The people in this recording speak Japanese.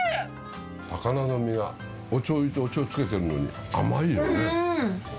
魚の身がお醤油つけてるのに甘いよね。